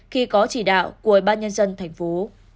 khi có chỉ đạo của bác nhân dân thành phố